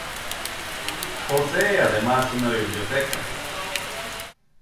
Posee además una biblioteca.